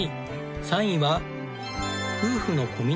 ３位は。